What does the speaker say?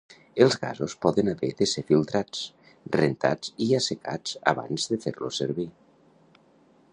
Els gasos poden haver de ser filtrats, rentats i assecats abans de fer-los servir.